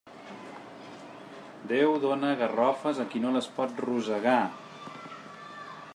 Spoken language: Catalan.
Déu dóna garrofes a qui no les pot rosegar.